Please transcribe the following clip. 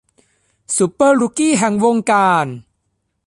ซูเปอร์รุกกี้แห่งวงการ